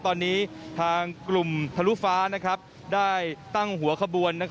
ตอนนี้ทางกลุ่มทะลุฟ้าได้ตั้งหัวขบวน